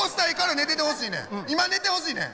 今寝てほしいねん。